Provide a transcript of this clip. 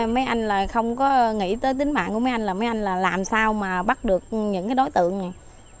mấy anh là không có nghĩ tới tính mạng của mấy anh là mấy anh là làm sao mà bắt được những đối tượng này